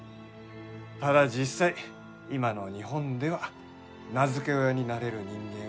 ただ実際今の日本では名付け親になれる人間はいない。